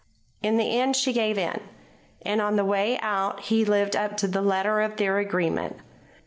In the end she gave in. And on the way out he lived up to the letter of their agreement.